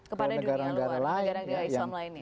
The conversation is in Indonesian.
kepada negara negara lain